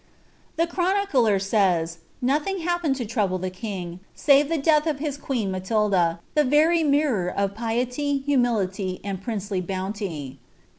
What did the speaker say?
r chronicler says, ^Nothing happened to trouble the king, eath of his queen Matilda, the very mirror of piety, humility, »ly bounty."